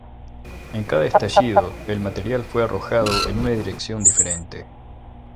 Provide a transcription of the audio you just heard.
En cada estallido, el material fue arrojado en una dirección diferente.